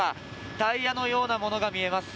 タイヤのようなものが見えます。